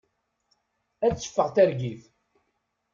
Ad d-teffeɣ targit.